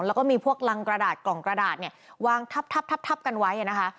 แล้วก็มีพวกรังกระดาษกล่องกระดาษเนี่ยวางทับกันไว้นะคะ